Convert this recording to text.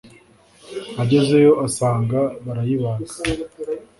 Agezeyo asanga barayibaga